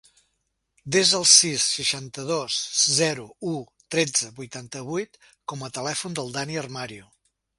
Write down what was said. Desa el sis, seixanta-dos, zero, u, tretze, vuitanta-vuit com a telèfon del Dani Armario.